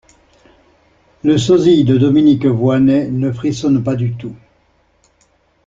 Le sosie de Dominique Voynet ne frissonne pas du tout.